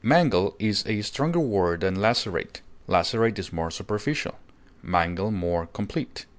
Mangle is a stronger word than lacerate; lacerate is more superficial, mangle more complete.